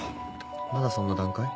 まだそんな段階？」